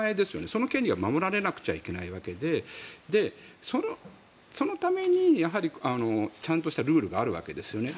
その権利は守られなくちゃいけないわけでそのためにちゃんとしたルールがあるわけですよね。